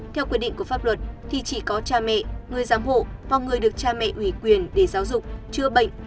theo quy định của pháp luật thì chỉ có cha mẹ người giám hộ hoặc người được cha mẹ ủy quyền để giáo dục chữa bệnh